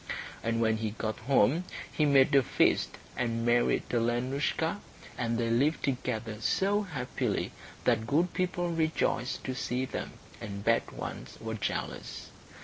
And when he got home he made a feast and married Alenoushka, and they lived together so happily that good people rejoiced to see them, and bad ones were jealous.